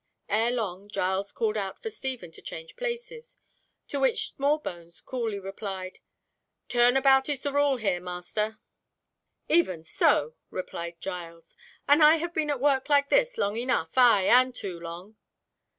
Ere long Giles called out for Stephen to change places, to which Smallbones coolly replied, "Turnabout is the rule here, master." "Even so," replied Giles, "and I have been at work like this long enough, ay, and too long!"